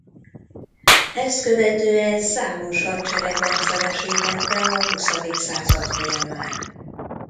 Ezt követően számos hadsereg rendszeresítette a huszadik század folyamán.